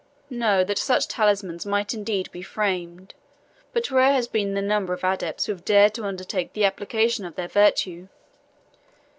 Know that such talismans might indeed be framed, but rare has been the number of adepts who have dared to undertake the application of their virtue.